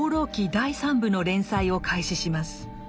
第三部の連載を開始します。